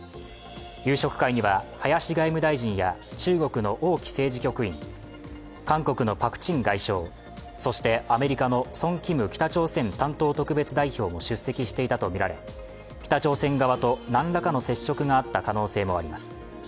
夕食会には林外務大臣や中国の王毅政治局員、韓国のパク・チン外相そして、アメリカのソン・キム北朝鮮担当特別代表も出席していたとみられ北朝鮮側と何らかの接触があった可能性もあります。